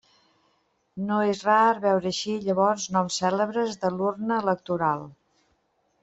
No és rar veure eixir llavors noms cèlebres de l'urna electoral.